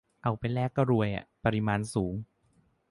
เอาไปแลกก็รวยอะ ปริมาณสูง